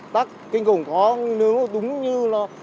tắc kinh khủng khó nướng đúng như là